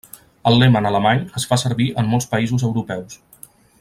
El lema en alemany es fa servir en molts països europeus.